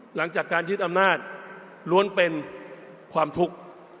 หลังจากการยึดอำนาจล้วนเป็นความทุกข์